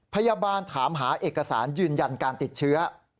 พยาบาลถามหาเอกสารยืนยันการติดเชื้อ